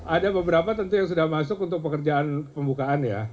ada beberapa tentu yang sudah masuk untuk pekerjaan pembukaan ya